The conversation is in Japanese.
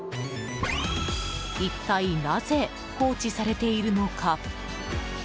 一体なぜ放置されているのか。